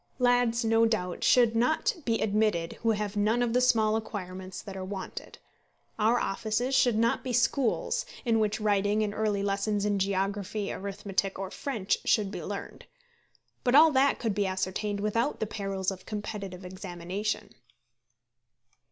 Lads, no doubt, should not be admitted who have none of the small acquirements that are wanted. Our offices should not be schools in which writing and early lessons in geography, arithmetic, or French should be learned. But all that could be ascertained without the perils of competitive examination.